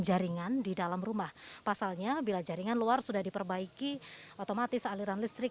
jaringan di dalam rumah pasalnya bila jaringan luar sudah diperbaiki otomatis aliran listrik